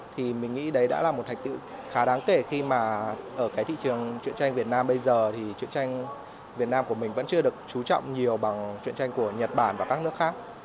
thì mình nghĩ đấy đã là một thành tựu khá đáng kể khi mà ở cái thị trường chuyện tranh việt nam bây giờ thì chuyện tranh việt nam của mình vẫn chưa được trú trọng nhiều bằng chuyện tranh của nhật bản và các nước khác